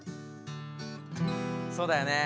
そうだよね。